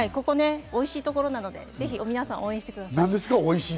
おいしいところなので、ぜひ皆さん応援してください。